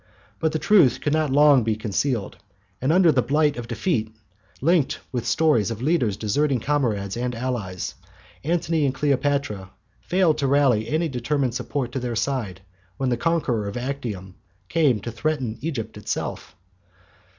But the truth could not be long concealed, and under the blight of defeat, linked with stories of leaders deserting comrades and allies, Antony and Cleopatra failed to rally any determined support to their side when the conqueror of Actium came to threaten Egypt itself.